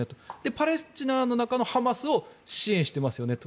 パレスチナの中のハマスを支援してますよねと。